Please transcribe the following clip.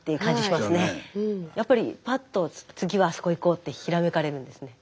やっぱりパッと次はあそこ行こうってひらめかれるんですね。